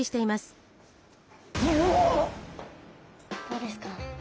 どうですか？